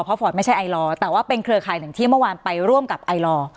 เพราะฟอร์ตไม่ใช่ไอลอร์แต่ว่าเป็นเครือข่ายหนึ่งที่เมื่อวานไปร่วมกับไอลอร์